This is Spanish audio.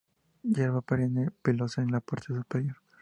Hierba perenne, pelosa en la parte superior.